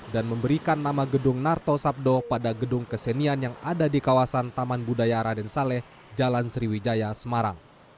dan memberikan nama gedung kinarto sabdo pada gedung kesenian yang ada di kawasan taman budaya raden saleh jalan sriwijaya semarang